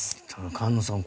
菅野さん